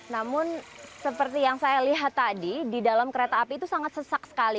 namun seperti yang saya lihat tadi di dalam kereta api itu sangat sesak sekali